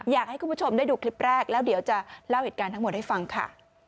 อยากให้คุณผู้ชมได้ดูคลิปแรกแล้วเดี๋ยวจะเล่าเหตุการณ์ทั้งหมดให้ฟังค่ะ